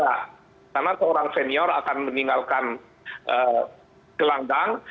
karena seorang senior akan meninggalkan gelang gelang